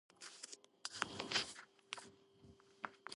გამარჯვებული გახდა ლატვიელი ანჯელინა ლა როუზი.